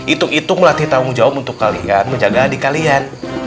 itu melatih tanggung jawab untuk kalian menjaga adik kalian